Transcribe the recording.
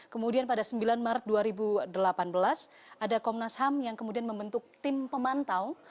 kemudian pada sembilan maret dua ribu delapan belas ada komnas ham yang kemudian membentuk tim pemantau